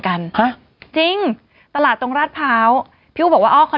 นั่งงามอะไรนั่นนั่นน่ะ